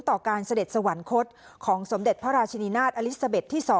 ต่อการเสด็จสวรรคตของสมเด็จพระราชินีนาฏอลิซาเบ็ดที่๒